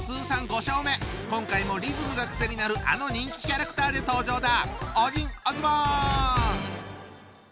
今回もリズムが癖になるあの人気キャラクターで登場だ！